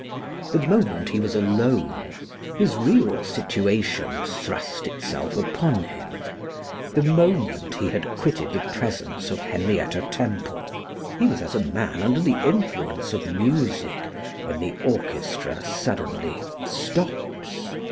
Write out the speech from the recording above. The moment he was alone his real situation thrust itself upon him; the moment he had quitted the presence of Henrietta Temple he was as a man under the influence of music when the orchestra suddenly stops.